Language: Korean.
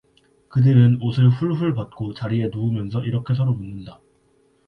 그들은 옷을 훌훌 벗고 자리에 누우면서 이렇게 서로 묻는다.